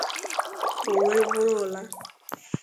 o wee bụrụ ụla